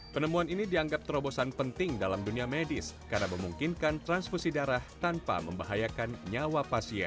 penemuan ini dianggap terobosan penting dalam dunia medis karena memungkinkan transfusi darah tanpa membahayakan nyawa pasien